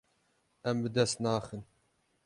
Em bi dest naxin.